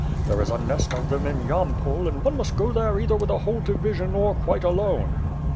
There is a nest of them in Yampol, and one must go there either with a whole division or quite alone."